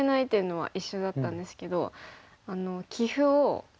はい。